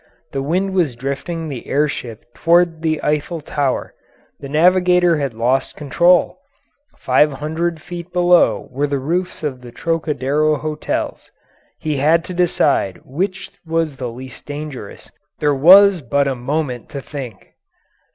The wind was drifting the air ship toward the Eiffel Tower; the navigator had lost control; 500 feet below were the roofs of the Trocadero Hotels; he had to decide which was the least dangerous; there was but a moment to think.